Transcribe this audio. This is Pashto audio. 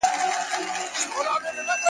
اوس يې په دې لاس كي دنيا وينمه خونــد راكـــوي،